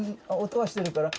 音はしてるから。